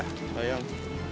eh apa kasih bang